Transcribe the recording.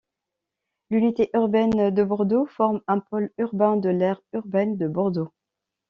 L'unité urbaine de Bordeaux forme un pôle urbain de l'aire urbaine de Bordeaux.